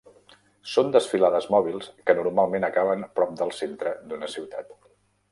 Són desfilades mòbils que normalment acaben prop del centre d'una ciutat.